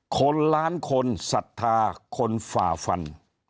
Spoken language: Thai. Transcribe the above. คนล้านคนศรัทธาคนฝ่าฟัน